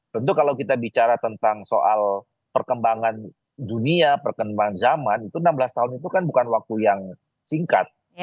tentu kalau kita bicara tentang soal perkembangan dunia perkembangan zaman itu enam belas tahun itu kan bukan waktu yang singkat